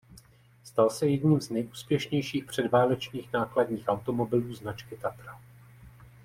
Stal se jedním z nejúspěšnějších předválečných nákladních automobilů značky Tatra.